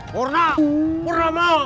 purna purna mau